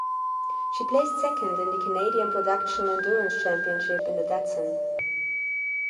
She placed second in the Canadian Production endurance championship in the Datsun.